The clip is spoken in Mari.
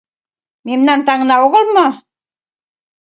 Мемнан таҥна огыл мо?